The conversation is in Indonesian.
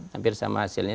hampir sama hasilnya